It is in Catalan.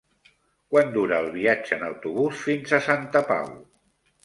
Quant dura el viatge en autobús fins a Santa Pau?